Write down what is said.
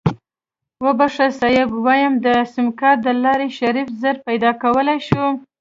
وبښه صيب ويم د سيمکارټ دلارې شريف زر پيدا کولی شو.